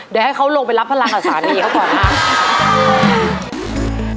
เดี๋ยวให้เขาลงไปรับพลังแต่สันนี้เขาบอกมา